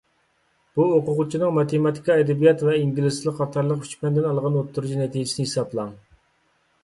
بۇ ئوقۇغۇچىنىڭ ماتېماتىكا، ئەدەبىيات ۋە ئىنگلىز تىلى قاتارلىق ئۈچ پەندىن ئالغان ئوتتۇرىچە نەتىجىسىنى ھېسابلاڭ.